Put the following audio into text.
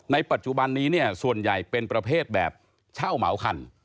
ปัจจุบันนี้เนี่ยส่วนใหญ่เป็นประเภทแบบเช่าเหมาคัน